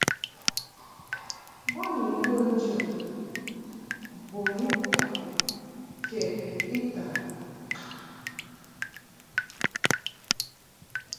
Bo ni ŋgə̌ njə̌ bun ikwa kɛ itan.